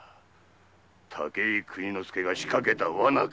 武井邦之助が仕掛けた罠か。